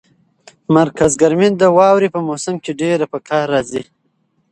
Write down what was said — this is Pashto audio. مرکز ګرمي د واورې په موسم کې ډېره په کار راځي.